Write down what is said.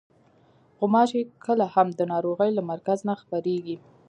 غوماشې کله هم د ناروغۍ له مرکز نه خپرېږي.